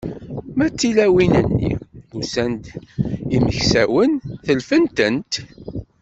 Ma d tilawin-nni, usan-d imeksawen, telfent-tent.